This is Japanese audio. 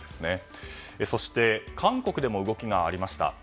そして韓国でも動きがありました。